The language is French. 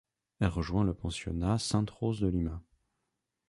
Elle rejoint le pensionnat Sainte-Rose-de-Lima.